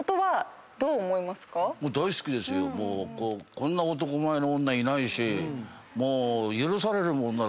こんな男前な女いないし。